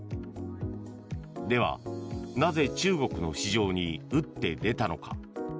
では、なぜ中国の市場に打って出たのか。